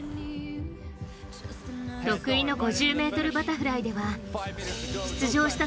得意の５０ｍバタフライでは出場した